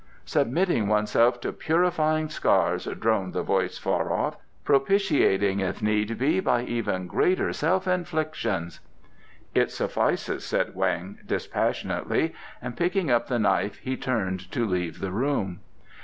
"... submitting oneself to purifying scars," droned the voice far off; "propitiating if need be by even greater self inflictions ..." "It suffices," said Weng dispassionately, and picking up the knife he turned to leave the room.